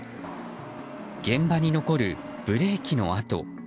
現場に残るブレーキの跡。